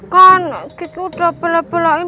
kan kita udah pelain pelain